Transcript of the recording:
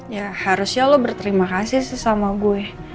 ya harusnya lo berterima kasih sih sama gue